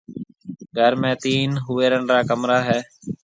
گھر ۾ تين ھوئيرڻ را ڪمرا ھيََََ